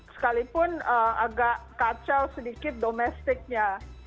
sekalipun agak kacau sedikit domestiknya